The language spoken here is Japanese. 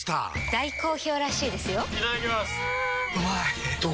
大好評らしいですよんうまい！